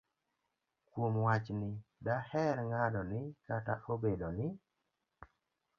Kuom wachni, daher ng'ado ni kata obedo ni